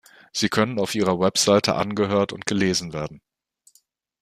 Sie können auf ihrer Website angehört und gelesen werden.